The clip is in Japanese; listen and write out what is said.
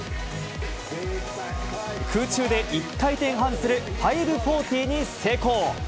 空中で１回転半する５４０に成功。